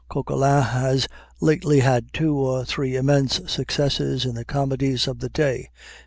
Coquelin has lately had two or three immense successes in the comedies of the day.